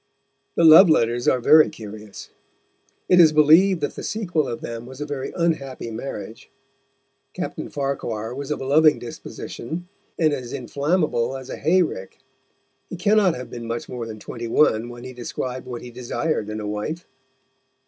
The love letters are very curious. It is believed that the sequel of them was a very unhappy marriage. Captain Farquhar was of a loving disposition, and as inflammable as a hay rick. He cannot have been much more than twenty one when he described what he desired in a wife.